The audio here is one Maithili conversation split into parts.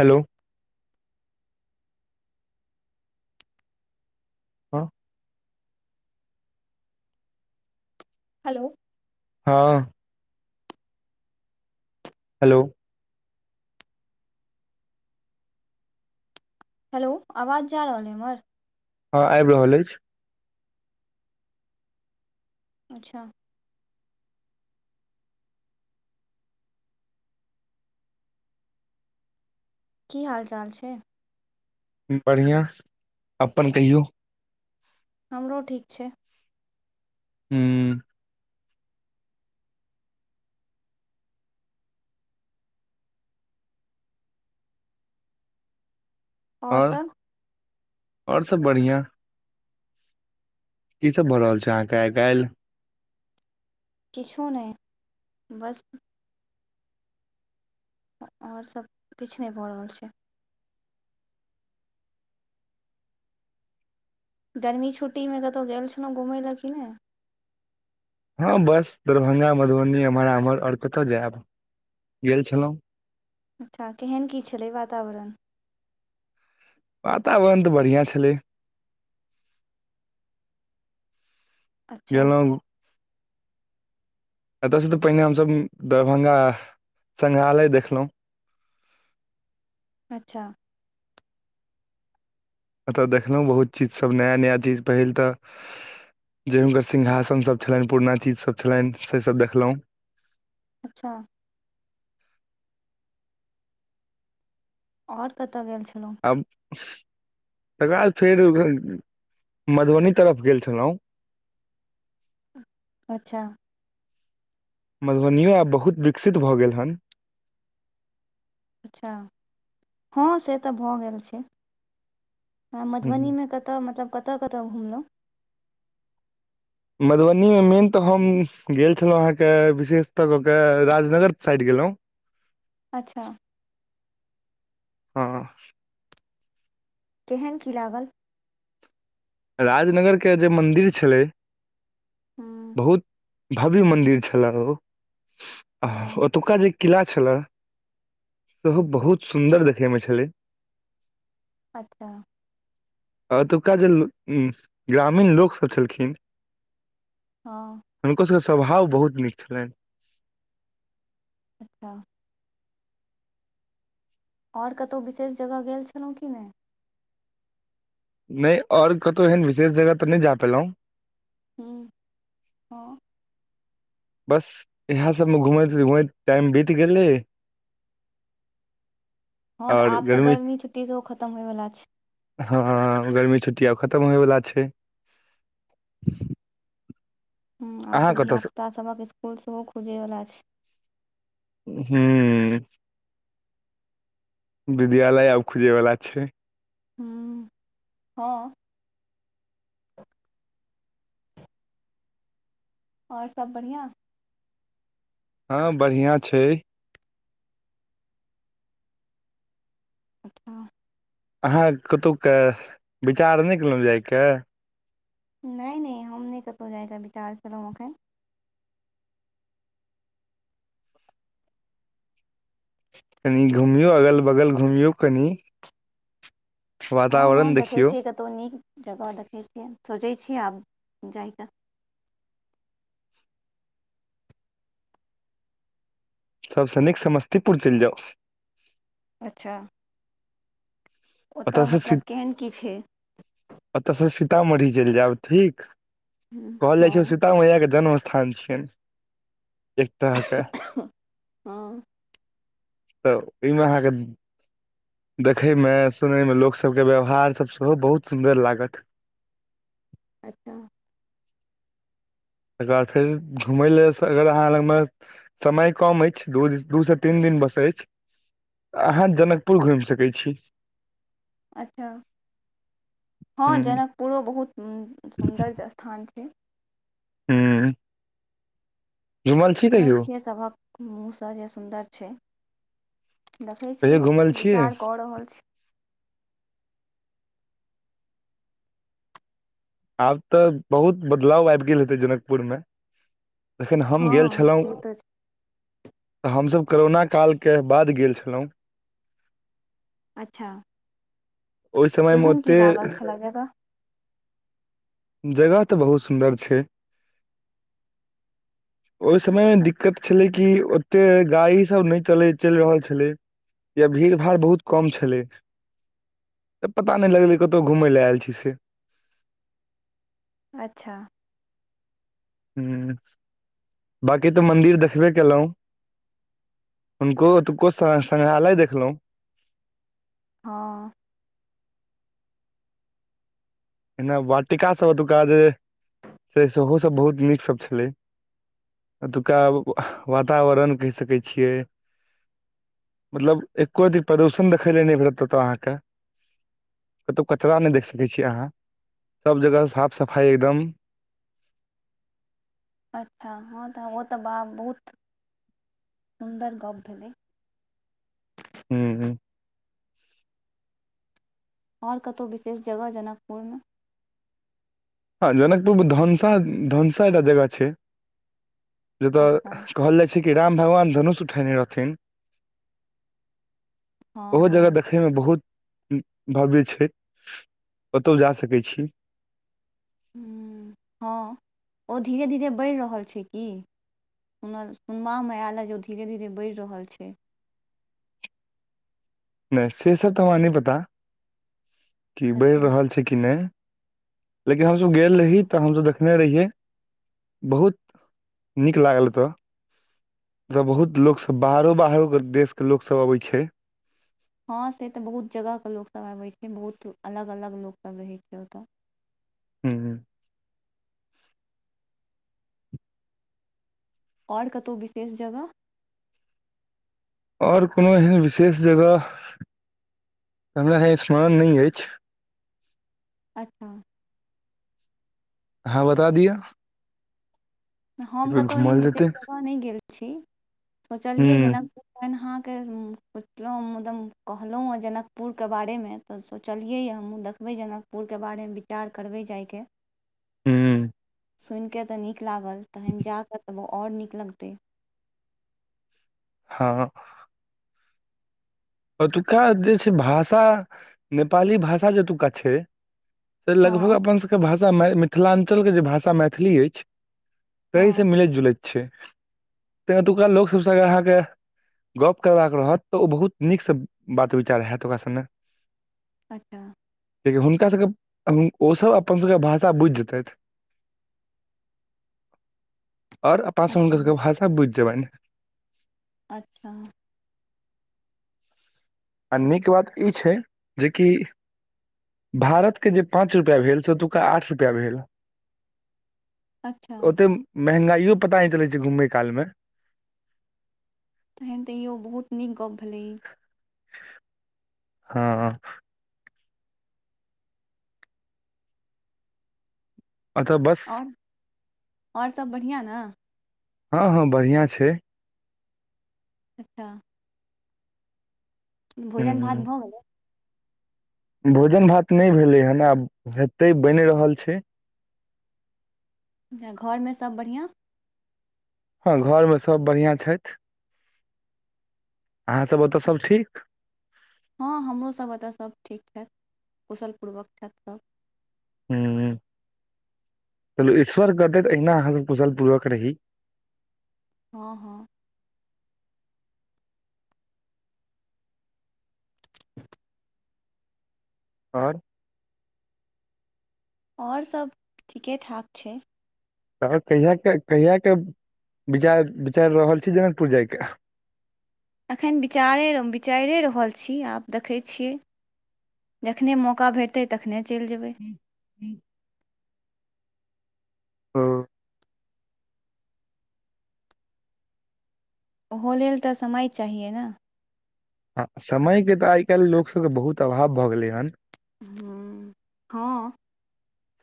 हेलो हँ हेलो हँ हेलो हेलो आवाज जा रहल है हमर हँ आबि रहल अछि अच्छा की हाल चाल छै बढ़िआँ अपन कहियौ हमरो ठीक छै हू आओर सभ आओर सभ बढ़िआँ की सभ भऽ रहल छै अहाँके आइ काल्हि किछु नहि बस आओर सभ किछ नहि भऽ रहल छै गर्मी छुट्टी में कत्तौ गेल छलहुँ घूमय ल कि नहि हँ बस दरभंगा मधुबनी एम्हर आम्हर आओर कतय जायब गेल छलहुँ अच्छा केहन की छलै वातावरण वातावरण तऽ बढ़िआँ छलै अच्छा गेललहुँ एतयसँ तऽ पहिने हमसभ दरभंगा संगङ्ग्रहालय देखलहुँ अच्छा एतय देखलहुँ बहुत चीजसभ नया नया चीज पहिल तऽ जे हुनकर सिंहासन सभ छलैनि पुरना चीजसभ छलनि से सभ देखलहुँ अच्छा आओर कतऽ गेल छ आब तकर ब फेर मधुबनी तरफ गेल छलहुँ अच्छा मधुबनियो आब बहुत विकसित भऽ गेल हन अच्छा हँ से तऽ भऽ गेल छै हँ हूँ, मधुबनीमे कतऽ मतलब कतऽ कतऽ घुमलहुँ मधुबनीमे मेन तऽ हम गेल छलहुँ अहाँके विशेषतः कऽ क राजनगर साइड गेलहुँ अच्छा हँ केहन कि लागल राजनगरके जे मन्दिर छलै हँ बहुत भव्य मन्दिर छलह ओ आ हँ ओतुका जे किला छले सेहो बहुत सुन्दर देखैमे छलै अच्छा ओतूका जे ग्रामीण लोकसभ छलखिन हँ हुनको सभके स्वभाव बहुत नीक छलैनि अच्छा आओर कतहु विशेष जगह गेल छलहुँ कि नहि नहि आओर कतहु एहन विशेष जगह नहि जा पेलहुँ ह्म हँ बस इएह सभमे घूमैत घूमैत टाइम बीत गेलै हँ तऽ आब तऽ गर्मी छुट्टी सेहो खतम होयवला छै हँ हँ हँ गर्मी छुट्टी आब खतम होयवला छै आब अहाँ तऽ धिया कतयसँ पुता सबहक स्कुल सेहो खुजेवला छै हू विद्यालय आब खुजैवला छै हू हँ आओर सब बढ़िआ हँ बढ़िआँ छै अच्छा अहाँ कतहुके विचार नहि कयेलहुँ जायके नहि नहि हम नहि कतहु जाय क विचार केलौं एखन कनि घुमियौ अगल बगल घूमियौ कनि हँ हँ वातावरण देखै देखियौ छियै कतहु नीक जगह देखै छियै सोचै छियै आब जाइ कऽ सबसे नीक समस्तीपुर चलि जाउ अच्छा ओतय ओतयसँ सी मतलब केहन की छै ओतयसँ सीतामढ़ी चलि जाउ ठीक हूँ कहल जाय छै ओ हँ सीता मैया के जन्म स् हँ छीयैन एकताके हँ तऽ ओहिमे अहाँके देखयमे सुनयमे लोकसभके व्यवहारसभ सेहो बहुत सुन्दर लागत अच्छा तकर बाद फेर घुमय लेल अगर अहाँ लगमे समय कम अछि दू दू सँ तीन दिन बस अछिऽ अहाँ जनकपुर घुमि सकै छी अच्छा ह हँ जनकपुरो बहुत सुन्दर स्थान छै हूँ सुनै छियै सभक मुँह सँ जे सुन्दर छै देखै कहियो छियै घुमल छियै विचार कऽ रहल छी आब तऽ बहुत बदलाव आबि गेल हेतै जनकपुरमे तखन हम हँ गेल छलहुँ से तऽ तऽ हमसभ करोना कालके बाद गेल छलहुँ अच्छा ओहि तऽ समयमे केहन की लागल ओतेक छलए जगह जगह तऽ बहुत सुन्दर छै ओहि समय मे दिक्कत छलै की ओते गाड़ी सब नहि चलि रहल छलै या भीड़ भाड़ बहुत कम छलै त पता नहि लगलै कतहु घुमय लऽ आयल छी से अच्छा ह बकी तऽ मन्दिर देखबे कलहुँ हुनको ओतुको संग्रहालय देखलहुँ हँ एना वाटिकासभ एतुका जे छै सेहो सभ बहुत नीकसभ छलै एतुका वातावरण कहि सकैत छियै मतलब एको अी प्रदूषण देखय लेल नहि भेटत ओतय अहाँके कतहु कचरा नहि देख सकैत छीयै अहाँ सब जगह साफ सफाई एकदम अच्छा हँ तऽ ओ तऽ वाह बहुत सुन्दर गप्प भेलै हू ह आओर कतहु विशेष जगह जनकपुर में हँ जनकपुर में धनुषा धनुषा एकटा जगह छै जे तऽ अच्छा कहल जाय छै कि राम भगवान धनुष उठेने रहथिन हँ ओहो जगह हँ देखय में बहुत भव्य छै ओतहु जा सकै छी ह हँ ओ धीरे धीरे बढ़ि रहल छै की हमर सुनबामे आयल हए जे ओ धीरे धीरे बढ़ि रहल छै नइ से सब तऽ हमरा नइ पता कि बढ़ि अच्छा रहल छै कि नइ लेकिन हमसभ गेल रही हँ तऽ हमसभ देखने रहियै बहुत नीक लागल ओतय ओत्तऽ बहुत लोकसभ बाहरो बाहरो के देशके लोकसभ अबै छै हँ से तऽ बहुत जगहके लोकसभ आबै छै बहुत अलग अलग लोकसभ रहै छै ओतय ह ह आओर कतहु विशेष जगह आओर कोनो एहन विशेष जगह हमरा स्मरण नइ अइछ अच्छा अहॉ बता दियऽ हम कतहु एहन विशेष जेतै जगह नहि गेल छी ह सोचलियै जनकपुर अहाँ के पुछलहुँदम कहलहुँ ह जनकपुरके बारेमे तऽ सोचलियैए हमहूँ देखबै जनकपुरके बारेमे विचार करबै जायके हू सुन के तऽ नीक लागल त जा क त आओर नीक लगतै हँ ओतुका जे छै भाषा नेपाली भाषा ओतुका छै से लगभग हँ अपन सबके भाषा मिथिलाञ्चलके जे भाषा मैथिली अछि। तीसँ हँ मिलैत जुलैत छै तै एतुका लोक सबसँ अगर अहाँके गप करबाक रहत त ओ बहुत नीकसँ बात विचार होयत ओकरा सङ्ग। अच्छा। हुनका सभके ओसभ अपन सभ भाषा बुझि जेतै। और अपनासब हुनक अच्छा सब के भाषा बुझ जब अच्छा। आ नीक बात ई छै जेकि भारतके जे पाँच रुपैआ भेल से एतुक्का आठ रुपैआ भेल। अच्छा। महंगाई ओ पता चलाई छै घुमाई काल में। तखन त ईो बहुत नीक गप्प भेलै। हँ। अत बस आओर आओर सभ बढ़िआँ न। हँ हँ बढ़िआँ छै। अच्छा। भोजन भात हूं भ गेलै। भोजन भात नहि भेलै हेन आब हेतै बनि रहल छै। घर मे सभ बढ़िआँ। हँ घरमे सभ बढ़िआँ छथि। अहाँसभ ओतय सभ ठीक। हँ हमरोसभ एतय सभ ठीक छथि कुशल पूर्वक छथि सभ। ह्म चलू ईश्वर करतै त अहिना अहाँके कुशल पूर्वक रही। हँ हँ। [inaudible] ओर आओर सभ ठीके ठाक छै। त कहिया क कहियआ क विचार विचारि रहल छी जनकपुर जायके। एखन विचारे विचारिए रहल छी आब देखैत छियै जखनेहि मौका भेटतै तखने चलि जेबै। हँ। ओहो लेल त समय चाहियै ने। हँ समयके त आइ काल्हि लोकसभके बहुत अभाव भऽ गेलै हन। ह हँ।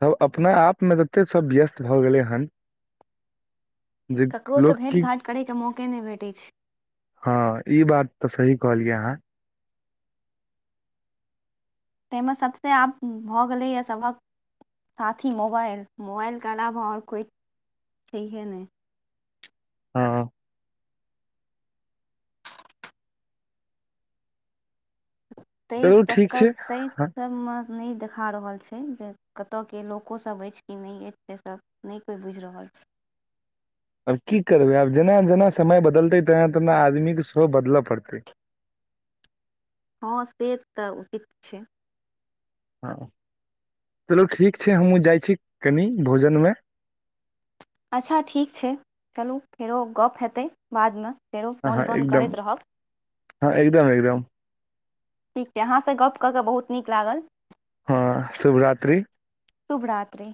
सभ अपना आपमे ततेक सभ व्यस्त भ गेलै हन जे ककरोसँ लोक भेँट की घाँट करैके मौक के नहि भेटी छै। हँ ई बात त सही कहलियै अहाँ। ताहिमे सभसँ आब भऽगेलैए सभक साथी मोबाइल मोबाइलके अलावा आओर कोइ छहे नहि। हँ [inaudible] ताहि चलू ठीक छै चक्कर तहि हँ सबमें नहि देखा रहल छै जे कतयके लोकोसभ अछि कि नहि अछि से सभ नहि कोइ बुझि रहल छै आब की करबै आब जेना जेना समय बदलतै तेना तेना आदमीके सेहो बदलय पड़तै हँ से तऽ उचित छै हँ चलू ठीक छै हमहूँ जाइ छी कनि भोजन में अच्छा ठीक छै चलू फेरो गप्प हेतै बादमें हँ हँ एकदम हँ एकदम एकदम ठीक छै अहाँ सँ गप्प कऽ कऽ बहुत नीक लागल हँ शुभरात्री शुभ रात्रि